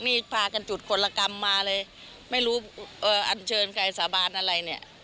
นี่พากันจุดคนละกรรมมาเลยไม่รู้อันเชิญใครสาบานอะไร